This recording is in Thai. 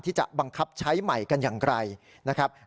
ที่จะบังคับใช้ใหม่กันอย่างไรนะครับ